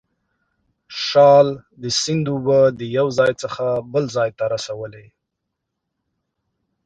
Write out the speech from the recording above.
شال د سیند اوبه د یو ځای څخه بل ځای ته رسولې.